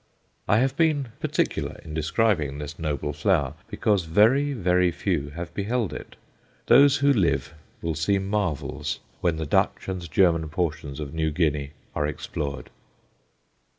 I have been particular in describing this noble flower, because very, very few have beheld it. Those who live will see marvels when the Dutch and German portions of New Guinea are explored.